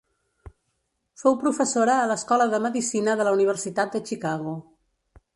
Fou professora a l'Escola de medicina de la Universitat de Chicago.